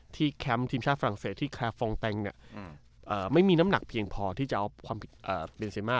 แคมป์ทีมชาติฝรั่งเศสที่แคร์ฟองแตงไม่มีน้ำหนักเพียงพอที่จะเอาความผิดเลนเซมา